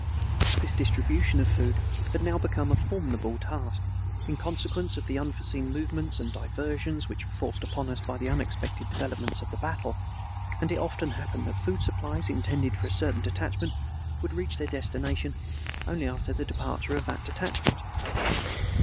This distribution of food had now become a formidable task, in consequence of the unforeseen movements and diversions which were forced upon us by the unexpected developments of the battle; and it often happened that food supplies intended for a certain detachment would reach their destination only after the departure of that detachment.